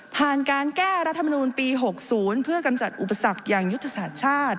การแก้รัฐมนูลปี๖๐เพื่อกำจัดอุปสรรคอย่างยุทธศาสตร์ชาติ